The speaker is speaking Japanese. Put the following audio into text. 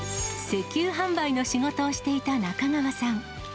石油販売の仕事をしていた中川さん。